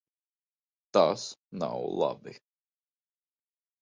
Tas nav labi.